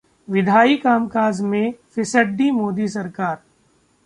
विधायी कामकाज में फिसड्डी मोदी सरकार